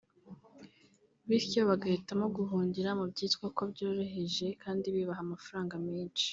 bityo bagahitamo guhungira mu byitwa ko byoroheje kandi bibaha amafaranga menshi